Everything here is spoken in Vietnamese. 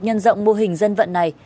nhân rộng mô hình dân vận này